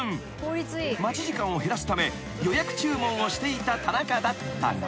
［待ち時間を減らすため予約注文をしていた田中だったが］